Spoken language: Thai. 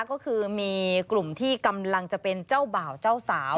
ก็คือมีกลุ่มที่กำลังจะเป็นเจ้าบ่าวเจ้าสาว